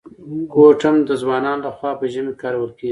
کوټ هم د ځوانانو لخوا په ژمي کي کارول کیږي.